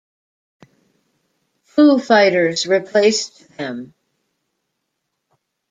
Foo Fighters replaced them.